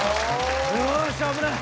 よし危ない。